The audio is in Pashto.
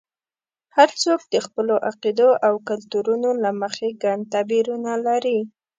هر څوک د خپلو عقیدو او کلتورونو له مخې ګڼ تعبیرونه لري.